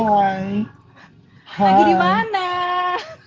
lagi di mana